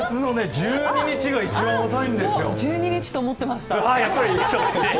１２日と思ってました。